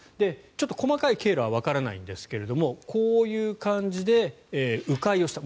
ちょっと細かい経路はわからないんですがこういう感じで迂回をした。